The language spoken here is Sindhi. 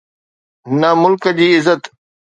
نه ملڪ جي عزت.